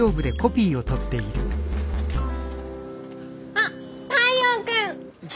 あっ太陽君！